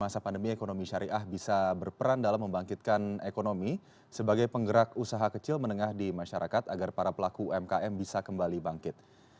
masa pandemi ekonomi syariah bisa berperan dalam membangkitkan ekonomi sebagai penggerak usaha kecil menengah di masyarakat agar para pelaku umkm bisa kembali bangkit